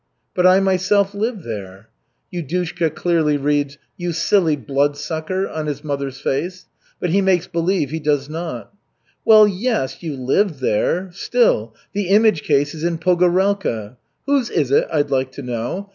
"But I myself lived there." Yudushka clearly reads "You silly Bloodsucker!" on his mother's face; but he makes believe he does not see. "Well, yes, you lived there still the image case is in Pogorelka. Whose is it, I'd like to know.